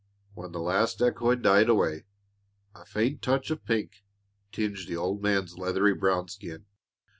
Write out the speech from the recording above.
When the last echo had died away, a faint touch of pink tinged the old man's leathery brown skin.